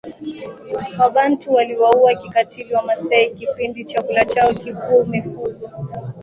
Wabantu waliwaua kikatili Wamasai kipindi chakula chao kikuu mifugo